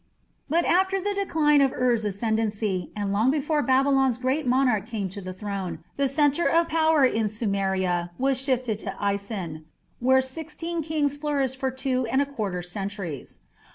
But after the decline of Ur's ascendancy, and long before Babylon's great monarch came to the throne, the centre of power in Sumeria was shifted to Isin, where sixteen kings flourished for two and a quarter centuries.